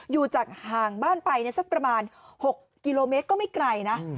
อยู่จากห่างบ้านไปสักประมาณ๖กิโลเมตรก็ไม่ไกลนะ